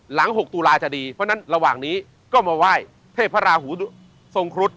หลัง๖ตุลาจะดีเพราะฉะนั้นระหว่างนี้ก็มาไหว้เทพราหูทรงครุฑ